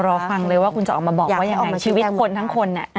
รอฟังเลยว่าคุณจะออกมาบอกว่ายังไงชีวิตคนทั้งคน